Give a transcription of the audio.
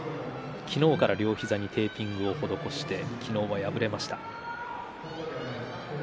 昨日から両膝にテーピングを施して、昨日は敗れました。